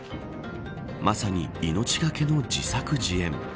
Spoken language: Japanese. まさに命懸けの自作自演。